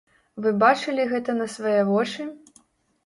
Вы бачылі гэта на свае вочы?